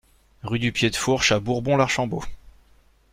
Rue du Pied de Fourche à Bourbon-l'Archambault